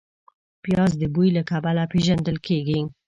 پیاز د بوی له کبله پېژندل کېږي